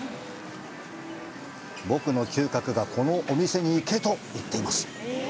僕の嗅覚がこのお店に行けと言っています。